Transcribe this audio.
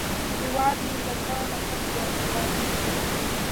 هیواد مې له تا نه هم زیات ګران دی